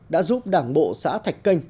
đã giúp đảng bộ xã thạch canh